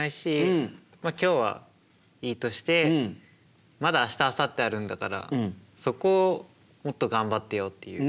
今日はいいとしてまだ明日あさってあるんだからそこをもっと頑張ってよっていう。